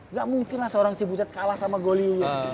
nggak mungkin lah seorang cibutet kalah sama goli